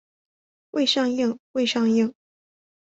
未上映未上映